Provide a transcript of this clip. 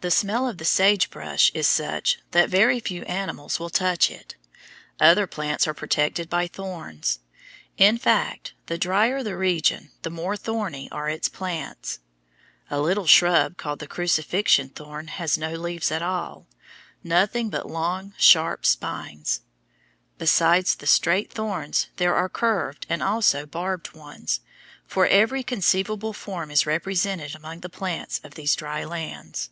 The smell of the sagebrush is such that very few animals will touch it. Other plants are protected by thorns. In fact, the drier the region, the more thorny are its plants. A little shrub called the crucifixion thorn has no leaves at all, nothing but long, sharp spines. Besides the straight thorns there are curved and also barbed ones, for every conceivable form is represented among the plants of these dry lands.